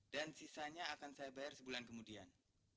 dan sisanya akan saya bayar sebulan kemudian